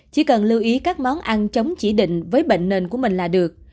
chỉ cần lưu ý các món ăn chống chỉ định với bệnh nền của mình là được